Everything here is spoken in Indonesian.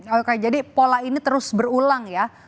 oke jadi pola ini terus berulang ya